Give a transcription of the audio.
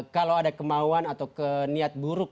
kalau ada kemauan atau keniat buruk